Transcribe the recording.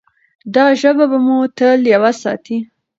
دا ژبه به مو تل یوه ساتي.